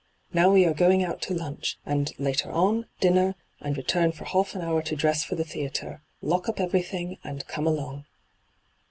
Now we are going out to lunch, and, later on, dinner, and return for half an hour to dress for the theatre. Lock up everything, and come along.'